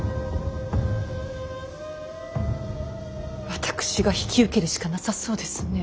私が引き受けるしかなさそうですね。